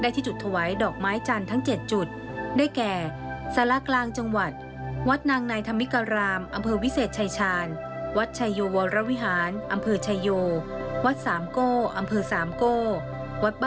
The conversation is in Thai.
ติดตามรายละเอียดได้เลยครับ